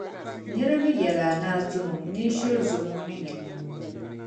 Nira yi yɛli a ni a zɔmi o, nyin shiri zɔmi o ni nimmoo.